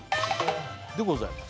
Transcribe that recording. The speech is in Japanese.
でございます